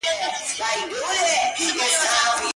پل چي یې د ده پر پلونو ایښی دی ښاغلی دی-